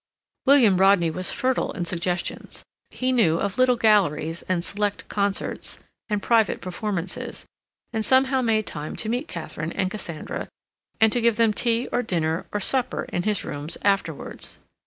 William Rodney was fertile in suggestions. He knew of little galleries, and select concerts, and private performances, and somehow made time to meet Katharine and Cassandra, and to give them tea or dinner or supper in his rooms afterwards.